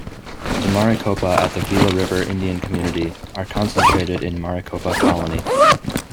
The Maricopa at the Gila River Indian Community are concentrated in Maricopa Colony.